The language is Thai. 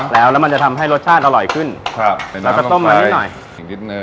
แล้วมันจะทำให้รสชาติอร่อยขึ้นครับใส่น้ำต้มมานิดหน่อยนิดหนึ่ง